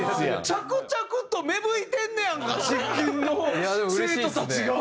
着々と芽吹いてんねやんかシッキンの生徒たちが！